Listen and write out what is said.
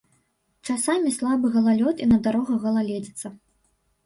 Часамі слабы галалёд і на дарогах галаледзіца.